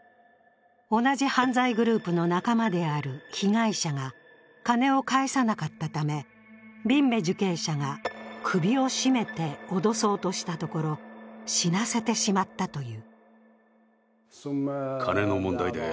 同じ犯罪グループの仲間である被害者が金を返さなかったためビンメ受刑者が首を絞めて脅そうとしたところ、死なせてしまったという。